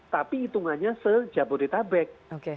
tapi hitungannya se jabodetabek